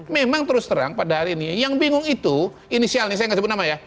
memang terus terang pada hari ini yang bingung itu inisialnya saya nggak sebut nama ya